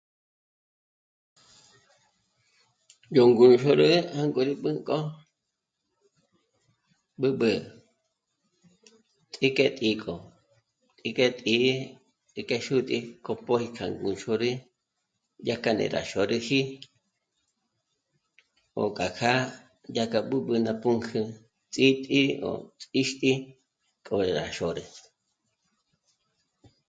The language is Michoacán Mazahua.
Yó ngú xôrü jângo rí b'ǚnko b'ǚb'ü t'sík'et'ík'o ts'ík'e tǐ'i ngék'e xútǐ'i k'o póji k'a ngú xôrü dyá k'a né'e rá xôrüji ò k'a kjá yá kja b'ǘb'ü ná pǔnk'ü ts'ítǐ'i o t'íxti k'o gá xôrü